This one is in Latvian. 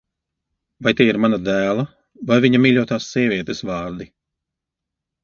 Vai tie ir mana dēla vai viņa mīļotās sievietes vārdi?